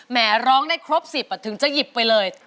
ร้องได้ครบ๑๐ถึงจะหยิบไปเลย